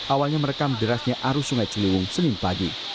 awalnya merekam derasnya arus sungai ciliwung senin pagi